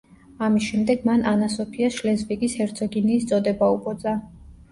ამის შემდეგ მან ანა სოფიას შლეზვიგის ჰერცოგინიის წოდება უბოძა.